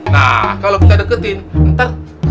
nah kalo kita deketin ntar